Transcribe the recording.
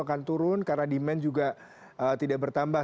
akan turun karena demand juga tidak bertambah